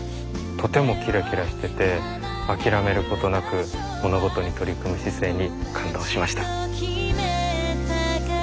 とてもキラキラしてて諦めることなく物事に取り組む姿勢に感動しました。